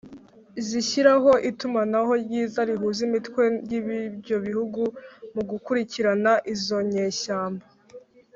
zishyiraho itumanaho ryiza rihuza imitwe y’ibyo bihugu mu gukurikirana izo nyeshyamba